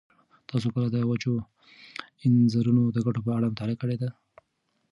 تاسو کله د وچو انځرونو د ګټو په اړه مطالعه کړې ده؟